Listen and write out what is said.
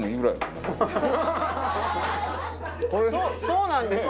そうなんですよ。